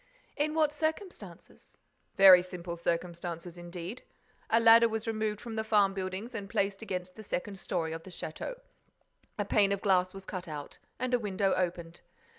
"In what circumstances?" "Very simple circumstances, indeed. A ladder was removed from the farm buildings and placed against the second story of the château. A pane of glass was cut out and a window opened.